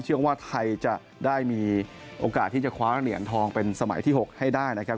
ว่าไทยจะได้มีโอกาสที่จะคว้าเหรียญทองเป็นสมัยที่๖ให้ได้นะครับ